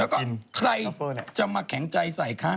แล้วก็ใครจะมาแข็งใจใส่คะ